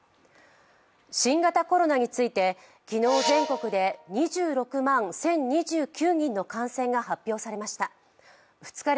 新型コロナについて昨日、全国で２６万１０２９人の感染が発表されました。